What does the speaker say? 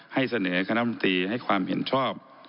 ให้เสนอคณะมนตรีให้ความเห็นชอบ